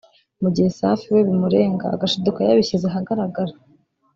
mu gihe Safi we bimurenga agashiduka yabishyize ahagaragara